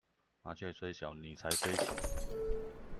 麻雀雖小，你才衰小